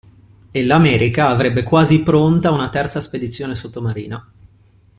E l'America avrebbe quasi pronta una terza spedizione sottomarina.